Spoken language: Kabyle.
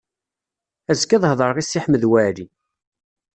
Azekka ad hedreɣ i Si Ḥmed Waɛli.